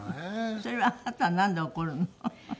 それはあなたはなんで怒るの？